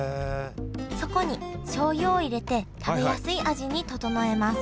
そこにしょうゆを入れて食べやすい味に調えます